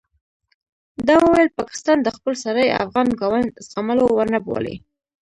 ده وویل پاکستان د خپل سرۍ افغان ګاونډ زغملو وړ نه بولي.